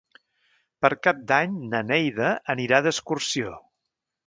Per Cap d'Any na Neida anirà d'excursió.